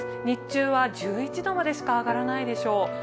日中は１１度までしか上がらないでしょう。